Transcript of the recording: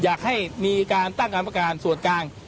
อยากให้มีการตั้งกรรมประการส่วนกลาง